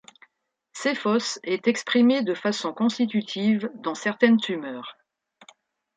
C-fos est exprimée de façon constitutive dans certaines tumeurs.